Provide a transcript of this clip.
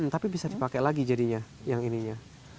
tapi bisa dipakai lagi jadinya yang ininya